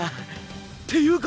っていうか